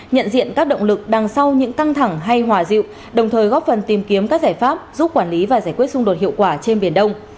nhận diện các động lực đằng sau những căng thẳng hay hòa diệu đồng thời góp phần tìm kiếm các giải pháp giúp quản lý và giải quyết xung đột hiệu quả trên biển đông